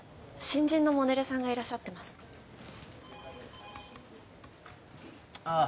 新人のモデルさんがいらっしゃってますああ